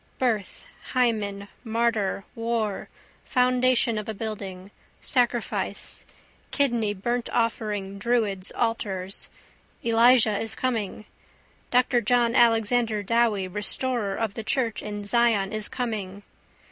Birth, hymen, martyr, war, foundation of a building, sacrifice, kidney burntoffering, druids' altars. Elijah is coming. Dr John Alexander Dowie restorer of the church in Zion is coming.